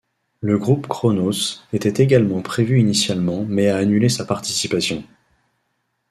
Le groupe Kronos, était également prévu initialement mais a annulé sa participation.